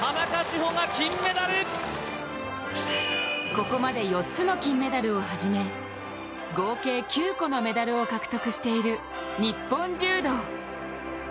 ここまで４つの金メダルをはじめ合計９個のメダルを獲得している日本柔道。